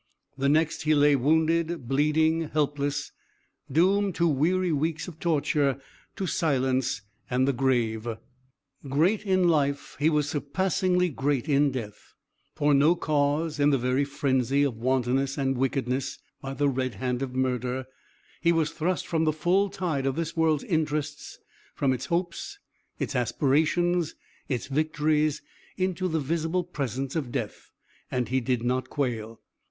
The next he lay wounded, bleeding, helpless, doomed to weary weeks of torture, to silence, and the grave. "Great in life, he was surpassingly great in death. For no cause, in the very frenzy of wantonness and wickedness, by the red hand of murder, he was thrust from the full tide of this world's interests, from its hopes, its aspirations, its victories, into the visible presence of death and he did not quail.